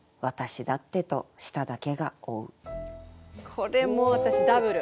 これもう私ダブル！